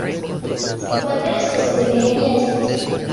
Se encuentra en las costas de Filipinas.